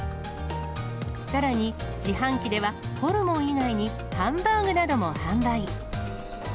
さらに自販機では、ホルモン以外にハンバーグなども販売。